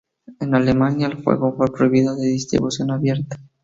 En Alemania el juego fue prohibido de distribución abierta.